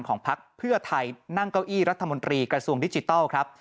พักเพื่อไทยนั่งเก้าอี้รัฐมนตรีกระทรวงดิจิทัลครับ